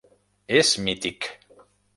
És mític.